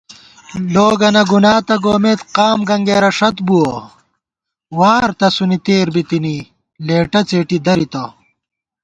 لوگَنہ گُنا تہ گومېت، قام گنگېرہ ݭت بُوَہ * وار تسُونی تېر بِتِنی، لېٹہ څېٹی دَرِتہ